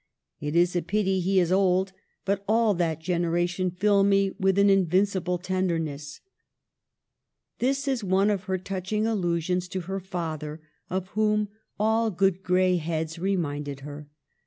It is a pity he is old, but all that generation fill me with an invin cible tenderness/' This is one of her touching allusions to her father, of whom all " good gray heads " reminded her.